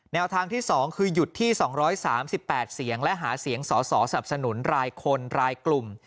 แนวทางที่๒คือหยุดที่๒๓๘เสียงและหาเสียงสอสอสนับสนุนรายคนรายกลุ่ม